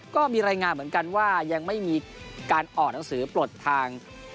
ก็มีรายงานเหมือนกันว่ายังไม่มีการออกหนังสือปลดทาง